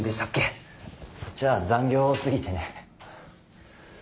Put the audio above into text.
そっちは残業多すぎてね。